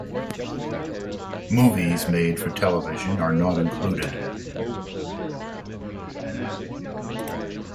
Movies made for television are not included.